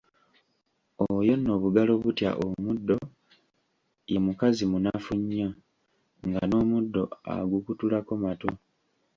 Oyo nno bugalo butya omuddo ye mukazi munafu nnyo, nga n'omuddo agukutulako matu.